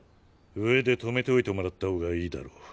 上で止めておいてもらった方がいいだろう。